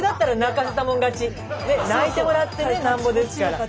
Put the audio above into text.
泣いてもらってねなんぼですから。